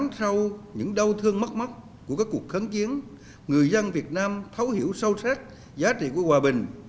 sau những đau thương mất mắt của các cuộc kháng chiến người dân việt nam thấu hiểu sâu sắc giá trị của hòa bình